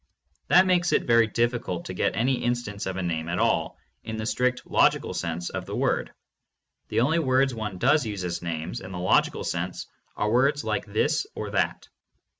That makes it very difficult to get any instance of a name at all in the proper strict logical sense of the word. The only words one does use as names in the logical sense are words like "this" or "that."